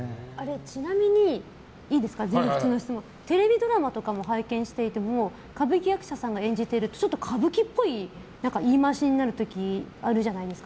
ちなみにテレビドラマとかも拝見していても歌舞伎役者さんが演じていると歌舞伎っぽい言い回しになる時あるじゃないですか。